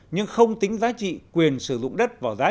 nhưng không tính giá trị quyền sử dụng đất vào giá